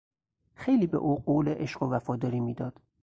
خیلی به او قول عشق و وفاداری میداد.